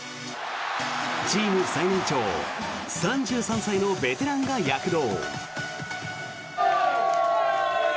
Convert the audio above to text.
チーム最年長３３歳のベテランが躍動。